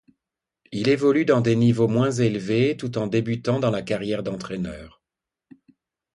Il évolue dans des niveaux moins élevés tout en débutant dans la carrière d'entraîneur.